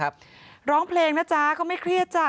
โครงเพลงนะจ๊ะเค้าไม่เครียดจ้า